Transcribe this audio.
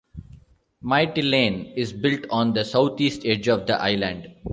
Mytilene is built on the southeast edge of the island.